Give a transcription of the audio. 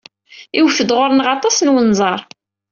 Iwet-d ɣer-neɣ aṭas n unẓar.